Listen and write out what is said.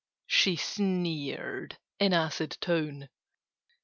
she sneered in acid tone.